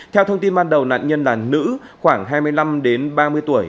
theo thông tin ban đầu nạn nhân là nữ khoảng hai mươi năm đến ba mươi tuổi